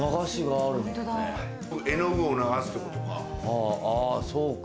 あぁそうか。